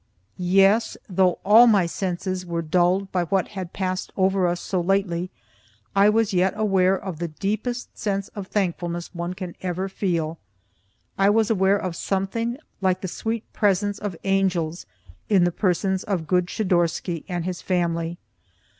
Yes, though all my senses were dulled by what had passed over us so lately, I was yet aware of the deepest sense of thankfulness one can ever feel. I was aware of something like the sweet presence of angels in the persons of good Schidorsky and his family.